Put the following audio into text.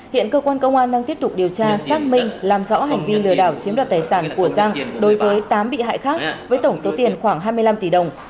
hiện cơ quan công an đang tiếp tục điều tra xác minh làm rõ hành vi lừa đảo chiếm đoạt tài sản của giang đối với tám bị hại khác với tổng số tiền khoảng hai mươi năm tỷ đồng